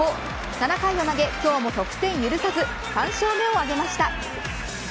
７回を投げ、今日も得点を許さず３勝目を挙げました。